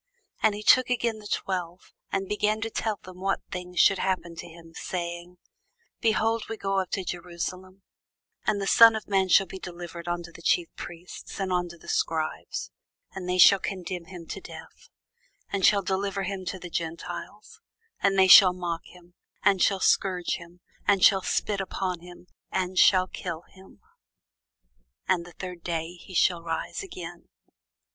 And he took again the twelve, and began to tell them what things should happen unto him, saying, Behold, we go up to Jerusalem; and the Son of man shall be delivered unto the chief priests, and unto the scribes; and they shall condemn him to death, and shall deliver him to the Gentiles: and they shall mock him, and shall scourge him, and shall spit upon him, and shall kill him: and the third day he shall rise again.